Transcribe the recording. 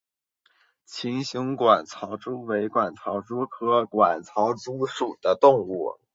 琴形管巢蛛为管巢蛛科管巢蛛属的动物。